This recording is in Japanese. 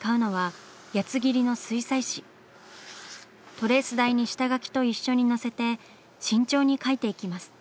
トレース台に下描きと一緒に載せて慎重に描いていきます。